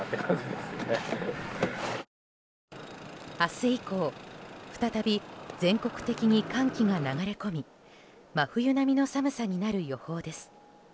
明日以降再び全国的に寒気が流れ込み真冬並みの寒さになる予報です。